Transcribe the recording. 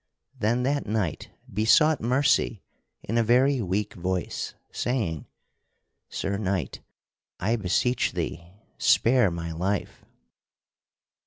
Then that knight besought mercy in a very weak voice, saying: "Sir Knight, I beseech thee, spare my life!"